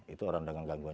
kita sudah sangat rapat